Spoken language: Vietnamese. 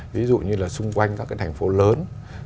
ví dụ như là xung quanh các cái thành phố lớn